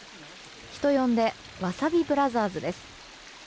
人呼んでわさびブラザーズです。